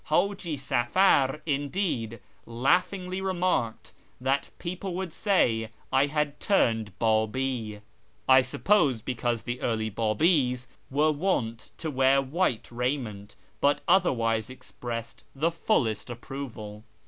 Haji Safar, indeed, laughingly remarked that people would say I had turned Babi (I suppose because the early Babi's were wont to wear white raiment), but other wise expressed the fullest approval.